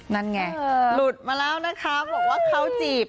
นั่นไงหลุดมาแล้วนะคะบอกว่าเขาจีบ